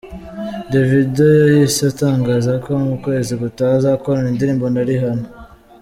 Davido yahise atangaza ko mu kwezi gutaha azakorana indirimbo na Rihanna.